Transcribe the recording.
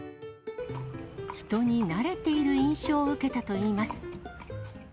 人に慣れている印象を受けたといいます。